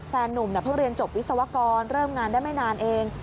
นุ่มเพิ่งเรียนจบวิศวกรเริ่มงานได้ไม่นานเอง